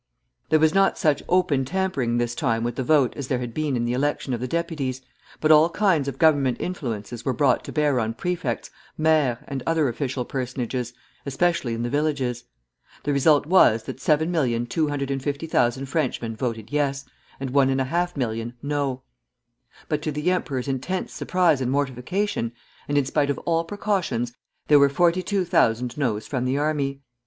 There was not such open tampering this time with the vote as there had been in the election of the deputies, but all kinds of Government influences were brought to bear on prefects, maires, and other official personages, especially in the villages. The result was that 7,250,000 Frenchmen voted Yes, and one and a half million, No. But to the emperor's intense surprise and mortification, and in spite of all precautions, there were 42,000 Noes from the army.